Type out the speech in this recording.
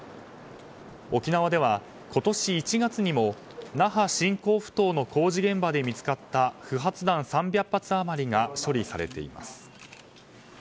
沖縄では今年１月にも那覇新港ふ頭の工事現場で見つかった不発弾３００発余りが処理されています。